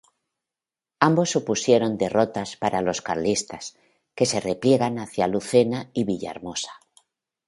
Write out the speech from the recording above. Ambos supusieron derrotas para los carlistas, que se repliegan hacia Lucena y Villahermosa.